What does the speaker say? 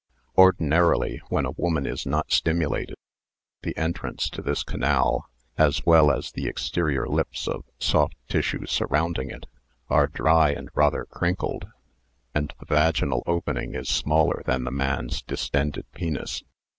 Ordinarily when a woman is not stimulated, the entrance to this canal, as well as the exterior lips of soft tissue surrounding it, are dry and rather crinkled, and the vaginal opening is smaller than the man's distended penis.